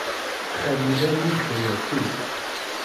Xir lemmer i yi-d-tenniḍ tidet.